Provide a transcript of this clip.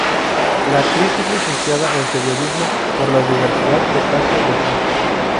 La actriz es licenciada en periodismo por la Universidad Estácio de Sá.